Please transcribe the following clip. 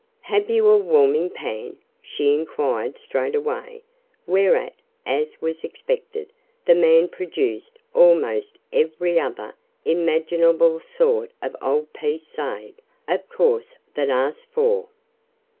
"Have you a warming pan?" she inquired straightaway, whereat, as was expected, the man produced almost every other imaginable sort of old piece save, of course, that asked for.